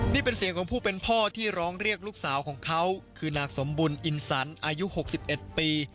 นี่เป็นเสียงของผู้เป็นพ่อที่ร้องเรียกลูกสาวของเขาคือนางสมบุญอินสันอายุ๖๑ปี